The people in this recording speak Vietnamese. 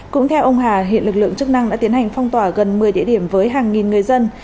cũng theo ông hà hiện lực lượng chức năng đã tiến hành phong tỏa gần một mươi địa điểm với hàng nghìn người dân